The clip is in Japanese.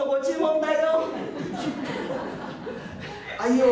「あいよ」。